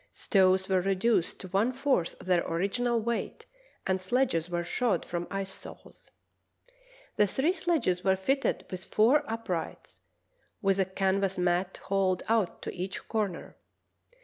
Stoves were reduced to one fourth of their original weight and sledges were shod from ice saws. The three sledges were fitted with four uprights, with a can vas mat hauled out to each corner.